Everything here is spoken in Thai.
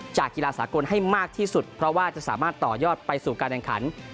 กีฬาสากลให้มากที่สุดเพราะว่าจะสามารถต่อยอดไปสู่การแข่งขัน